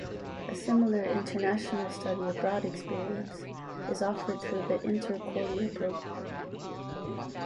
A similar international study abroad experience is offered through the Intercordia program.